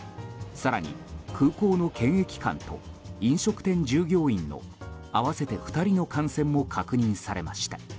更に、空港の検疫官と飲食店従業員の合わせて２人の感染も確認されました。